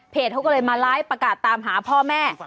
เขาก็เลยมาไลฟ์ประกาศตามหาพ่อแม่